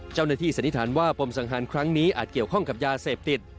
สันนิษฐานว่าปมสังหารครั้งนี้อาจเกี่ยวข้องกับยาเสพติด